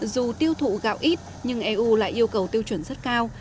dù tiêu thụ gạo ít nhưng eu lại yêu cầu tiêu chuẩn rất cao